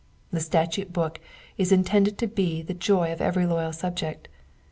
The statute book is in tended to be the joy of every loyal subject.